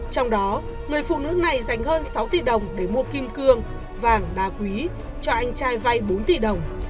trong đó người phụ nữ này dành hơn sáu tỷ đồng để mua kim cương cho anh trai vay bốn tỷ đồng